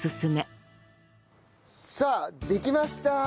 さあできましたー！